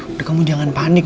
udah kamu jangan panik